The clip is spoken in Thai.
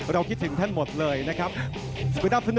เราคิดถึงแทนหมดเลยนะครับ